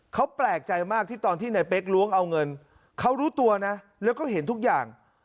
เขาแปลกใจมากที่ตอนที่ในเป๊กล้วงเอาเงินเขารู้ตัวนะแล้วก็เห็นทุกอย่าง